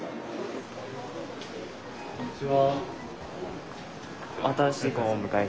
こんにちは。